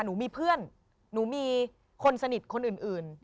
หนูมีเพื่อนหนูมีคนสนิทคนอื่น